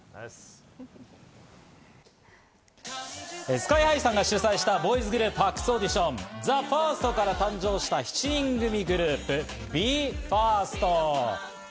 ＳＫＹ−ＨＩさんが主催したボーイズグループ発掘オーディション、ＴＨＥＦＩＲＳＴから誕生した７人グループＢＥ：ＦＩＲＳＴ。